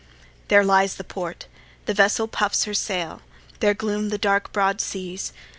There lies the port; the vessel puffs her sail: There gloom the dark, broad seas.